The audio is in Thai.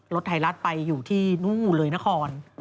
รถไทยรัฐไปอยู่ที่นู่นเลยนคร